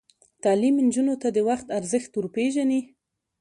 تعلیم نجونو ته د وخت ارزښت ور پېژني.